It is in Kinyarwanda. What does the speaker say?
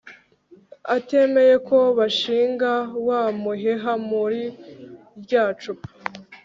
atemeye ko bashinga wamuheha muri ryacupa